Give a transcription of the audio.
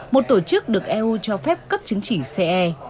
một tổ chức được eu cho phép cấp chứng chỉ ce